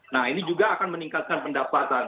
nah ini juga akan meningkatkan pendapatan